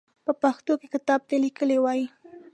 په پښتو کې کتاب ته ليکی وايي.